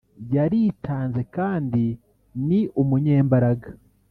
yaritanze kandi ni umunyembaraga